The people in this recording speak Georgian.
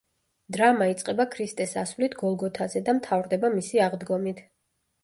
დრამა იწყება ქრისტეს ასვლით გოლგოთაზე და მთავრდება მისი აღდგომით.